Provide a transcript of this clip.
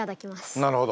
なるほど。